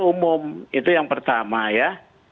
umum itu yang pertama ya